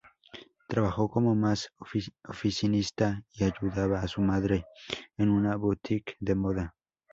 Trabajó como Más oficinista y ayudaba a su madre en una boutique de moda.